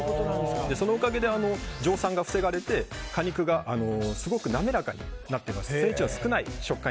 そのおかげで、蒸散が防がれて果肉がすごく滑らかになっています。